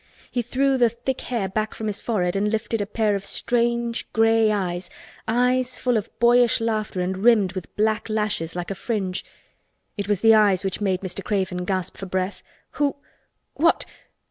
He threw the thick hair back from his forehead and lifted a pair of strange gray eyes—eyes full of boyish laughter and rimmed with black lashes like a fringe. It was the eyes which made Mr. Craven gasp for breath. "Who—What?